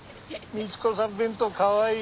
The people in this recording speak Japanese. みち子さん弁当かわいい。